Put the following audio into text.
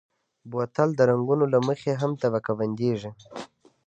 بوتل د رنګونو له مخې هم طبقه بندېږي.